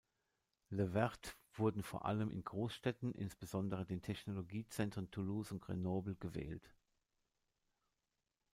Les Verts wurden vor allem in Großstädten, insbesondere den Technologiezentren Toulouse und Grenoble gewählt.